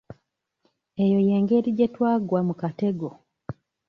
Eyo y'engeri gye twagwa mu katego.